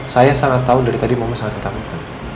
saya sangat tahu dari tadi mama sangat ketakutan